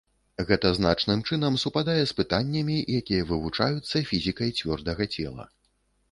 Гэта значным чынам супадае з пытаннямі, якія вывучаюцца фізікай цвёрдага цела.